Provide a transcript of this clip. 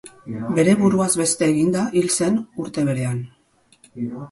Bere buruaz beste eginda hil zen urte berean.